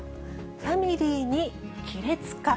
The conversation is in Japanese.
ファミリーに亀裂か。